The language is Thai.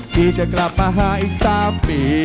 ที่จะกลับมาหาอีก๓ปี